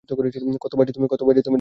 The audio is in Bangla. কত বাজে তুমি, ডেভলিন।